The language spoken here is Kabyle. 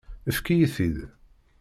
Efk-iyi-t-id.